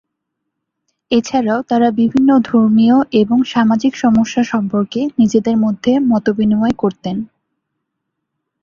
এছাড়াও তারা বিভিন্ন ধর্মীয় এবং সামাজিক সমস্যা সম্পর্কে নিজেদের মধ্যে মতবিনিময় করতেন।